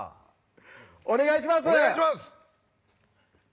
お願いします！